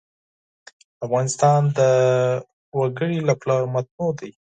افغانستان د وګړي له پلوه متنوع دی.